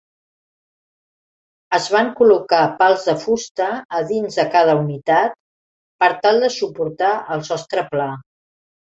Es van col·locar pals de fusta a dins de cada unitat per tal de suportar el sostre pla.